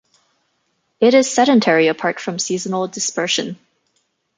It is sedentary apart from seasonal dispersion.